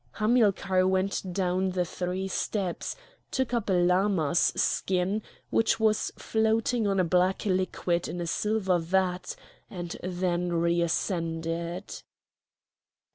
Hamilcar went down the three steps, took up a llama's skin which was floating on a black liquid in a silver vat, and then re ascended.